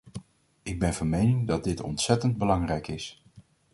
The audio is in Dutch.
Ik ben van mening dat dit ontzettend belangrijk is.